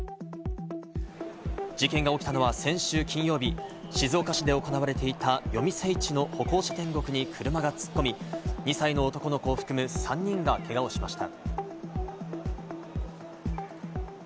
事件が起きたのは先週金曜日、静岡市で行われていた夜店市の歩行者天国に車が突っ込み、２歳の男の子を含む３人がけがをしました。